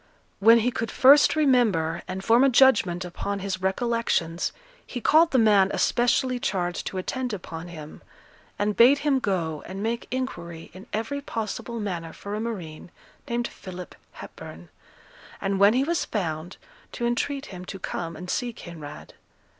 When he could first remember, and form a judgment upon his recollections, he called the man especially charged to attend upon him, and bade him go and make inquiry in every possible manner for a marine named Philip Hepburn, and, when he was found, to entreat him to come and see Kinraid.